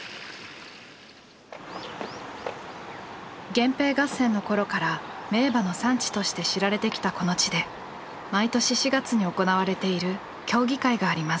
源平合戦の頃から名馬の産地として知られてきたこの地で毎年４月に行われている競技会があります。